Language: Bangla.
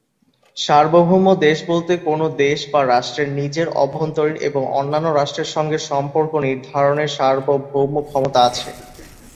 সার্বভৌম দেশ বলতে কোন দেশ বা রাষ্ট্রের নিজের অভ্যন্তরীন এবং অন্যান্য রাষ্ট্রের সঙ্গে সম্পর্ক নির্ধারণের সার্বভৌম ক্ষমতা আছে।